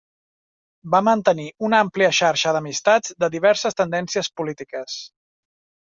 Va mantenir una àmplia xarxa d'amistats de diverses tendències polítiques.